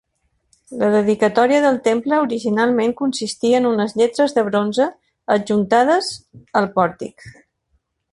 La dedicatòria del temple originalment consistia en unes lletres de bronze adjuntades al pòrtic.